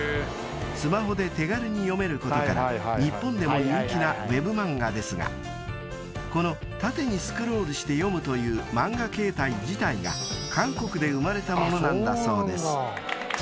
［スマホで手軽に読めることから日本でも人気なウェブ漫画ですがこの縦にスクロールして読むという漫画形態自体が韓国で生まれたものなんだそうです］